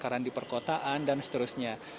karena di perkotaan dan seterusnya